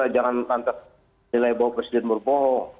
jangan lantas nilai bawah presiden morbo